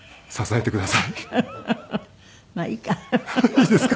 いいですか？